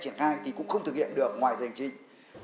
triển khai thì cũng không thực hiện được ngoài dành trình